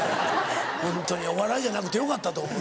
ホントにお笑いじゃなくてよかったと思う。